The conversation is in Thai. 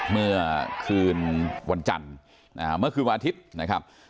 เมื่อคืนวันจันทร์เมื่อคืนวันอาทิตย์นะครับ